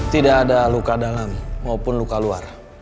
tidak ada luka dalam maupun luka luar